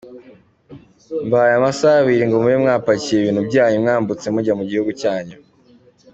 Mbahaye amasaha abiri ngo mube mwapakiye ibintu byanyu mwambutse mujya mu gihugu cyanyu.